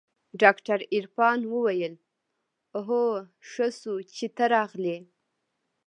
ډاکتر عرفان وويل اوهو ښه شو چې ته راغلې.